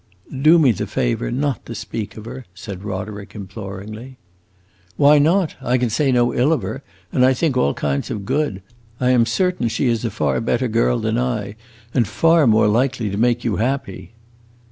"Do me the favor not to speak of her," said Roderick, imploringly. "Why not? I say no ill of her, and I think all kinds of good. I am certain she is a far better girl than I, and far more likely to make you happy."